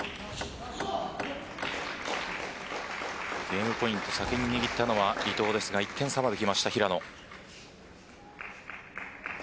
ゲームポイント先に握ったのは伊藤ですが１点差まできました平野。